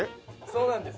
そうなんです。